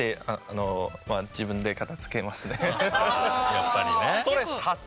やっぱりね。